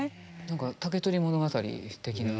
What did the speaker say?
何か「竹取物語」的な。